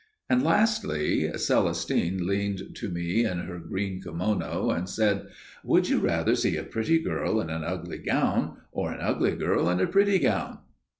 And lastly, Celestine leaned to me in her green kimono and said, "Would you rather see a pretty girl in an ugly gown, or an ugly girl in a pretty gown?"